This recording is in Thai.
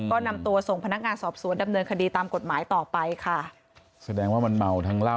ก็นำตัวส่งพนักงานสอบสวนดำเนินคดีตามกฎหมายต่อไปค่ะ